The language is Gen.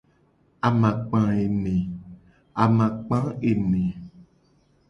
Amakpa ene.